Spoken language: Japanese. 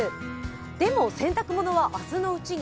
でも洗濯物は明日のうちに。